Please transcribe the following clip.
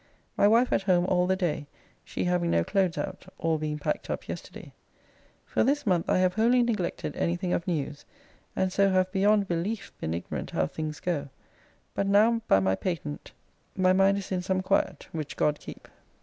My wife at home all the day, she having no clothes out, all being packed up yesterday. For this month I have wholly neglected anything of news, and so have beyond belief been ignorant how things go, but now by my patent my mind is in some quiet, which God keep.